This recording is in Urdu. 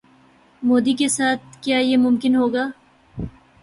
مودی کے ساتھ کیا یہ ممکن ہوگا؟